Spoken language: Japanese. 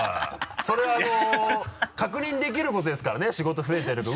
それは確認できることですからね仕事増えてるか。